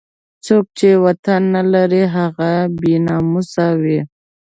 څوک چې وطن نه لري هغه بې ناموسه وي.